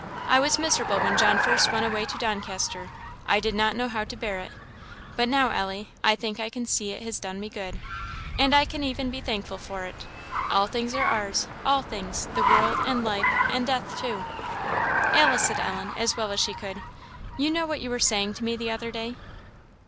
I was miserable when John first went away to Doncaster; I did not know how to bear it. But now, Ellie, I think I can see it has done me good, and I can even be thankful for it. All things are ours all things the world, and life, and death too." "Alice," said Ellen, as well as she could "you know what you were saying to me the other day?"